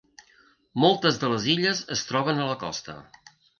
Moltes de les illes es troben a la costa.